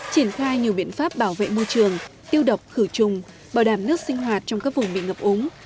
triển khai nhiều biện pháp bảo vệ môi trường tiêu độc khử trùng bảo đảm nước sinh hoạt trong các vùng bị ngập úng